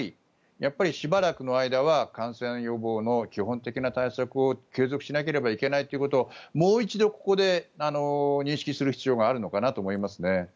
やっぱりしばらくの間は感染予防の基本的な対策を継続しなければいけないということをもう一度、ここで認識する必要があるのかなと思いますね。